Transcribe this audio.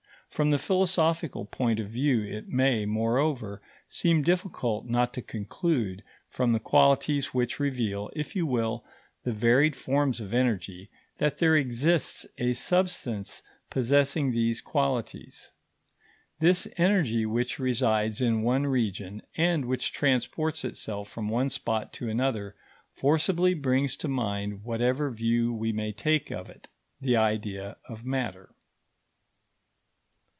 From the philosophical point of view it may, moreover, seem difficult not to conclude, from the qualities which reveal, if you will, the varied forms of energy, that there exists a substance possessing these qualities. This energy, which resides in one region, and which transports itself from one spot to another, forcibly brings to mind, whatever view we may take of it, the idea of matter.